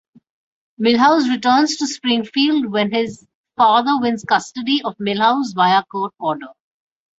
Milhouse returns to Springfield when his father wins custody of Milhouse via court order.